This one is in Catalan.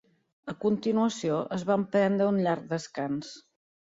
A continuació es van prendre un llarg descans.